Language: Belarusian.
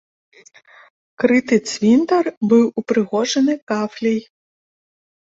Крыты цвінтар быў упрыгожаны кафляй.